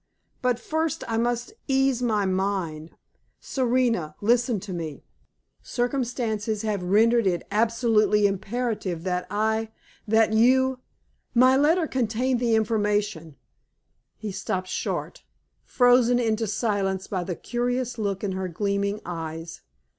But first I must ease my mind. Serena, listen to me. Circumstances have rendered it absolutely imperative that I that you My letter contained the information " He stopped short, frozen into silence by the curious look in her gleaming eyes.